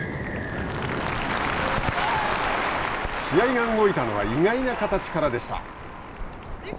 試合が動いたのは意外な形からでした。